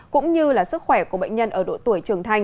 cũng như là sức khỏe của bệnh nhân ở độ tuổi